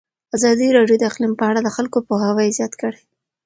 ازادي راډیو د اقلیم په اړه د خلکو پوهاوی زیات کړی.